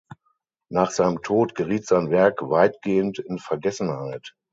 Nach seinem Tod geriet sein Werk weitgehend in Vergessenheit.